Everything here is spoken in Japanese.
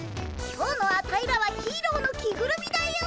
今日のアタイらはヒーローの着ぐるみだよ！